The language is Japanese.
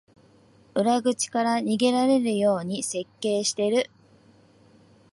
裏口から逃げられるように設計してる